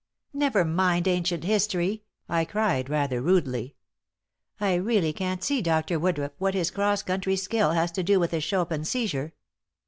"Never mind ancient history," I cried, rather rudely. "I really can't see, Dr. Woodruff, what his cross country skill has to do with his Chopin seizure."